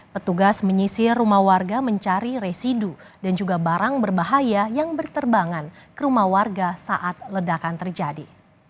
petugas menyisir rumah warga mencari residu dan juga barang berbahaya yang berterbangan ke rumah warga saat ledakan terjadi